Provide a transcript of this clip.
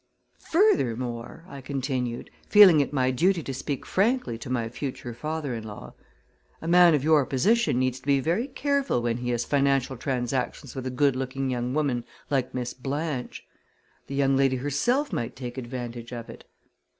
"Furthermore," I continued, feeling it my duty to speak frankly to my future father in law, "a man of your position needs to be very careful when he has financial transactions with a good looking young woman like Miss Blanche. The young lady herself might take advantage of it."